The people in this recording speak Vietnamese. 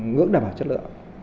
ngưỡng đảm bảo chất lượng